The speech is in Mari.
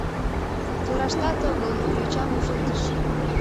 Тораштат огыл, йочам ужылдыш.